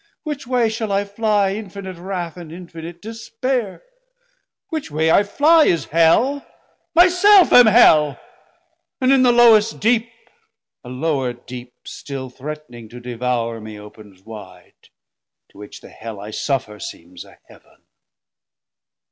which way shall I flie Infinite wrauth, and infinite despaire? FULL SIZE Medium Size Which way I flie is Hell; my self am Hell; And in the lowest deep a lower deep Still threatning to devour me opens wide, To which the Hell I suffer seems a Heav'n.